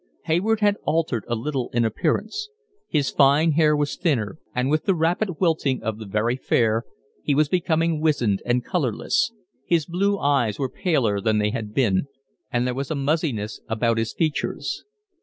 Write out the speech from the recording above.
Hayward had altered a little in appearance: his fine hair was thinner, and with the rapid wilting of the very fair, he was becoming wizened and colourless; his blue eyes were paler than they had been, and there was a muzziness about his features.